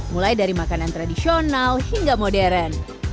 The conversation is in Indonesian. mulai dari makanan tradisional hingga modern